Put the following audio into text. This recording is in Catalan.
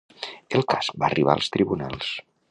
El cas va arribar als tribunals.